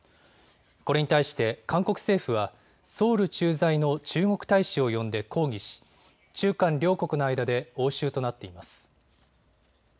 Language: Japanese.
これに対して韓国政府はソウル駐在の中国大使を呼んで抗議し中韓両国の間で応酬となっています。